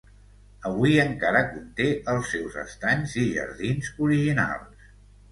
Avui encara conté els seus estanys i jardins originals.